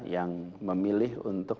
yang memilih untuk